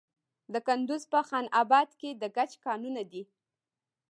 د کندز په خان اباد کې د ګچ کانونه دي.